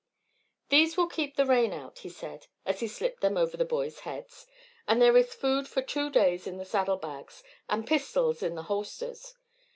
"These will keep the rain out," he said, as he slipped them over the boys' heads. "And there is food for two days in the saddle bags, and pistols in the holsters.